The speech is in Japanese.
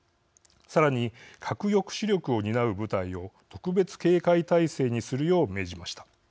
さらに、核抑止力を担う部隊を特別警戒態勢にするよう命じました。